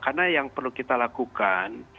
karena yang perlu kita lakukan